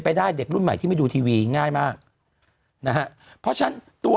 ได้เด็กรุ่นใหม่ที่ไม่ดูทีวีง่ายมากนะฮะเพราะฉะนั้นตัว